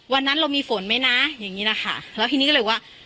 วันนั้นเรามีฝนไหมนะอย่างงี้นะคะแล้วทีนี้ก็เลยว่า